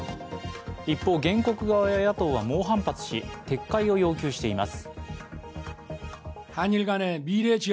一方、原告側や野党は猛反発し撤回を要求しています。